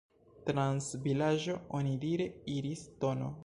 Trans vilaĝo onidire iris tn.